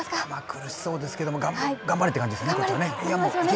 苦しそうですけど頑張れって感じですね。